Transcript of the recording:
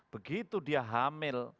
begitu dia hamil